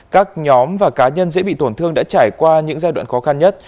các nhóm và cá nhân dễ bị tổn thương đã trải qua những giai đoạn khó khăn nhất